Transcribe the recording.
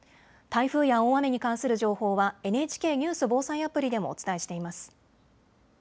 台風や大雨に関する情報はＮＨＫニュース・防災アプリでもお伝えしています。